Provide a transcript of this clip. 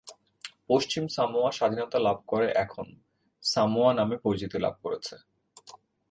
পশ্চিম Samoa স্বাধীনতা লাভ করে এখন "সামোয়া" নামে পরিচিতি লাভ করেছে।